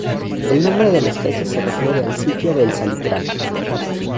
El nombre de la especie se refiere al sitio de el Salitral.